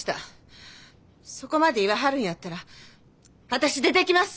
そこまで言わはるんやったら私出ていきます！